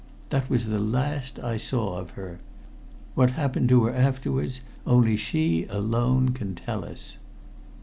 That was the last I saw of her. What happened to her afterwards only she alone can tell us."